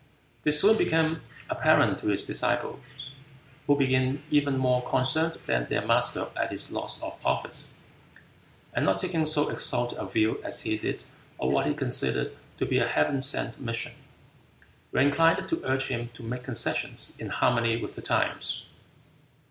This soon became apparent to his disciples, who being even more concerned than their master at his loss of office, and not taking so exalted a view as he did of what he considered to be a heaven sent mission, were inclined to urge him to make concessions in harmony with the times.